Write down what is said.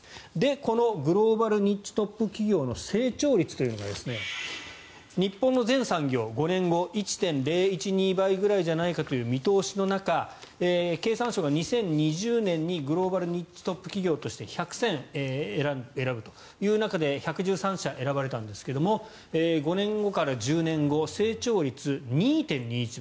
このグローバルニッチトップ企業の成長率というのが日本の全産業、５年後の成長率１．０１２倍というところで見通しの中経産省が２０２０年にグローバルニッチトップ企業として１００選選ぶという中で１１３社選ばれたんですが５年後から１０年後成長率２．２１倍。